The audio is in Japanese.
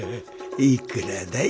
いくらだい？